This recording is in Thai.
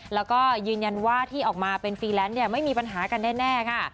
แล้วก็ยืนยันว่าที่ออกมาเป็นฟรีแลนซ์เนี่ยไม่มีปัญหากันแน่ค่ะ